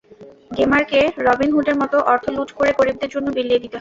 গেমারকে রবিনহুডের মতো অর্থ লুট করে গরিবদের জন্য বিলিয়ে দিতে হবে।